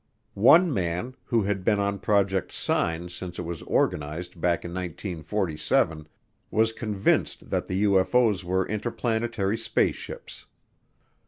One man, who had been on Project Sign since it was organized back in 1947, was convinced that the UFO's were interplanetary spaceships.